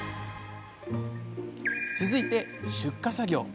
続いて出荷作業。